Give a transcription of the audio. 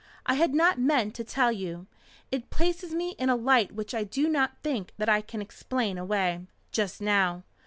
I had not meant to tell you. It places me in a light which I do not think that I can explain away just now.